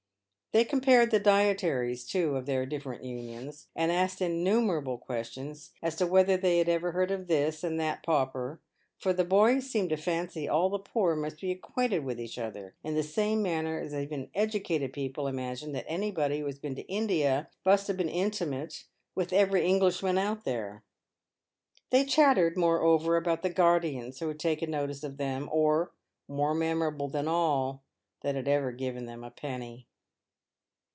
They compared the dietaries, too, of their different Unions, and asked innumerable questions as to whether they had ever heard of this and that pauper (for the boys seemed to fancy all the poor must be acquainted with each other, in the same manner as even educated people imagine that anybody who has been to India must have been intimate with every Englishman out there). They chatted, moreover, about the guardians who had taken notice of them, or — more memorable than all — that had ever given them a penny.